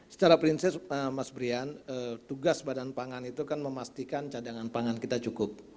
secara prinsip mas brian tugas badan pangan itu kan memastikan cadangan pangan kita cukup